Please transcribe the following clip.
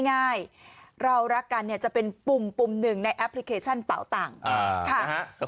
ง่ายเรารักกันเนี่ยจะเป็นปุ่มปุ่มหนึ่งในแอปพลิเคชันเป่าตังค์